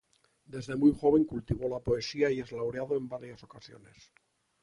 Desde muy joven cultivó la poesía y es laureado en varias ocasiones.